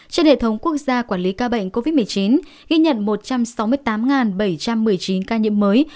trên hệ thống quốc gia quản lý ca bệnh covid một mươi chín ghi nhận một trăm sáu mươi tám bảy trăm một mươi chín ca nhiễm mới